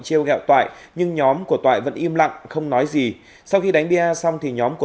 treo gẹo toại nhưng nhóm của toại vẫn im lặng không nói gì sau khi đánh bia xong thì nhóm của